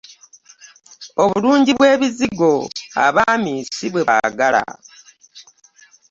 Obulungi bwebizigo , abaami sibwebagala.